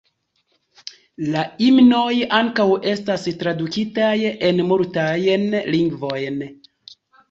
La himnoj ankaŭ estas tradukitaj en multajn lingvojn.